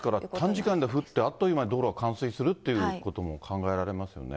ですから、短時間で降って、あっという間に道路が冠水するということも考えられますよね。